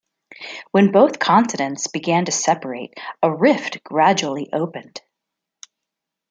When both the continents began to separate a rift gradually opened.